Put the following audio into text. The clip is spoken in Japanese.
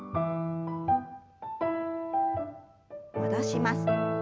戻します。